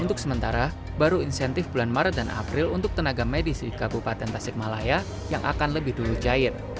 untuk sementara baru insentif bulan maret dan april untuk tenaga medis di kabupaten tasikmalaya yang akan lebih dulu cair